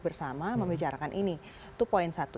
bersama membicarakan ini itu poin satu